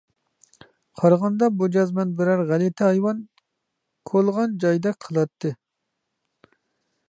قارىغاندا بۇ جەزمەن بىرەر غەلىتە ھايۋان كولىغان جايدەك قىلاتتى.